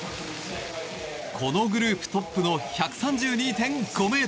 このグループトップの１３２．５ｍ。